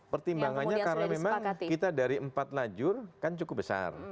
pertimbangannya karena memang kita dari empat lajur kan cukup besar